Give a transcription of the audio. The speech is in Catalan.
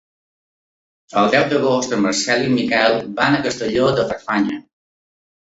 El deu d'agost en Marcel i en Miquel van a Castelló de Farfanya.